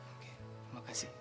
oke terima kasih